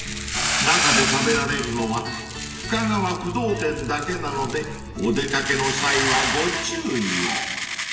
［中で食べられるのは深川不動店だけなのでお出掛けの際はご注意を］